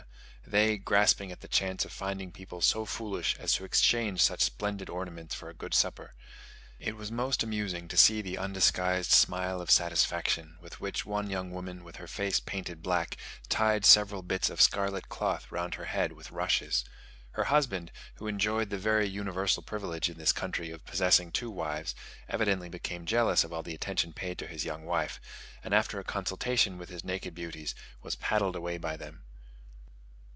they grasping at the chance of finding people so foolish as to exchange such splendid ornaments for a good supper. It was most amusing to see the undisguised smile of satisfaction with which one young woman with her face painted black, tied several bits of scarlet cloth round her head with rushes. Her husband, who enjoyed the very universal privilege in this country of possessing two wives, evidently became jealous of all the attention paid to his young wife; and, after a consultation with his naked beauties, was paddled away by them.